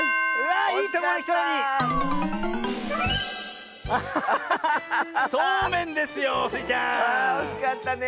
ああおしかったね。